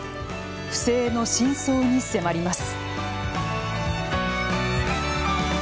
不正の深層に迫ります。